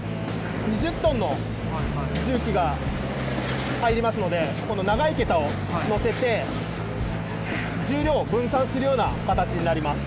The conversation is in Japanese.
２０ｔの重機が入りますのでこの長い桁をのせて重量を分散するような形になります。